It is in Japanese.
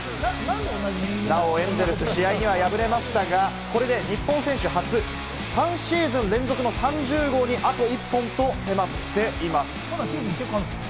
なおエンゼルス、試合には敗れましたが、これで日本選手初、３シーズン連続の３０号に、あと１本と迫っています。